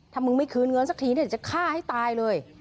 ถ้ามึงไม่คืนเงินสักทีเนี่ยจะฆ่าให้ตายเลย